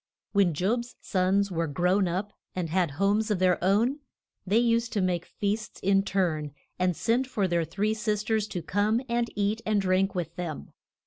When Job's sons were grown up and had homes of their own, they used to make feasts in turn, and send for their three sis ters to come and eat and drink with them.